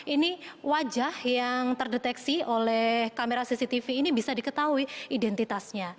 ini wajah yang terdeteksi oleh kamera cctv ini bisa diketahui identitasnya